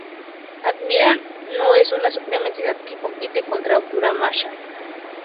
Ahriman no es una suprema entidad que compite contra Ahura Mazda.